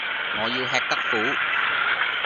我要吃得苦